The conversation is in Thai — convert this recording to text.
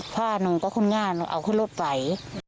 ผ้านูก็คนงานเอาขึ้นลดไป